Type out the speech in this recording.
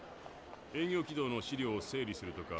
営業軌道の資料を整理するとか。